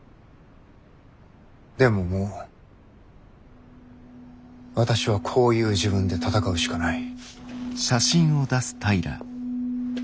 でももう私はこういう自分で戦うしかない。